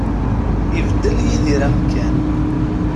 Ibeddel Yidir amkan.